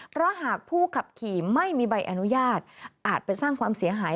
เพราะหากผู้ขับขี่ไม่มีใบอนุญาตอาจไปสร้างความเสียหาย